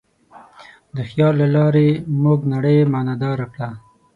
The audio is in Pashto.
د خیال له لارې موږ نړۍ معنیداره کړه.